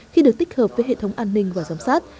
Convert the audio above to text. khi được tích hợp với hệ thống an ninh và giám sát